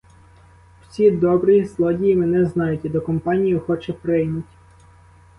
Всі добрі злодії мене знають і до компанії охоче приймуть.